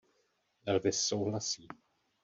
Elvis souhlasí.